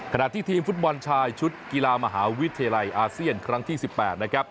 ที่ทีมฟุตบอลชายชุดกีฬามหาวิทยาลัยอาเซียนครั้งที่๑๘นะครับ